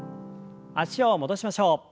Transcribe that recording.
脚を戻しましょう。